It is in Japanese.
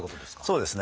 そうですね。